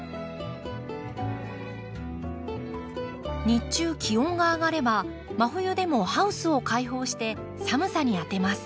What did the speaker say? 日中気温が上がれば真冬でもハウスを開放して寒さに当てます。